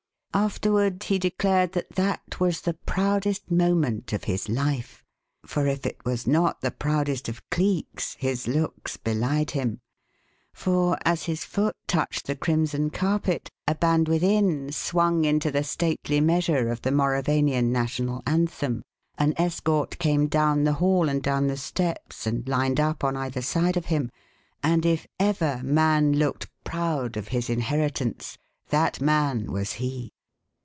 Afterward he declared that that was the proudest moment of his life; for if it was not the proudest of Cleek's, his looks belied him. For, as his foot touched the crimson carpet, a band within swung into the stately measure of the Mauravanian National Anthem, an escort came down the hall and down the steps and lined up on either side of him, and if ever man looked proud of his inheritance, that man was he.